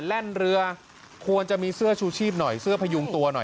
แล่นเรือควรจะมีเสื้อชูชีพหน่อยเสื้อพยุงตัวหน่อย